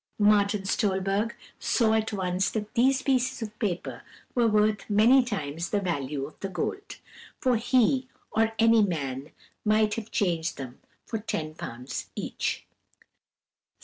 Martin Stolberg saw at once that these pieces of paper were worth many times the value of the gold, for he or any man might have changed them for ten pounds each.